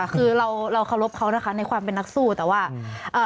คือเราเราเคารพเขานะคะในความเป็นนักสู้แต่ว่าเอ่อ